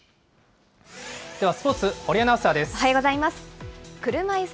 ではスポーツ、堀アナウンサーです。